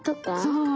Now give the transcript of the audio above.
そう。